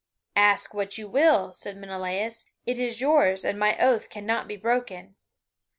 "Ask what you will," said Menelaus; "it is yours and my oath cannot be broken."